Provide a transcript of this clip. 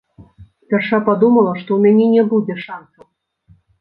Спярша падумала, што ў мяне не будзе шанцаў.